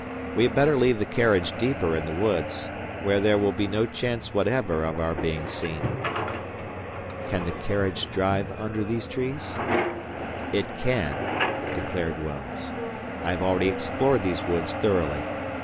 "We had better leave the carriage deeper in the woods, where there will be no chance whatever of our being seen." "Can the carriage drive under these trees?" "It can," declared Wells. "I have already explored these woods thoroughly.